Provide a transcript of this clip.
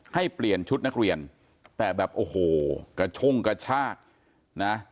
ให้เปลี่ยนชุดนักเรียนแต่แบบโอ้โหกระช่งกระชากนะ